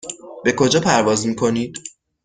به کجا پرواز میکنید؟